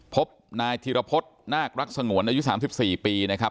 พบนายธิรพฤษนาครักสงวนอายุ๓๔ปีนะครับ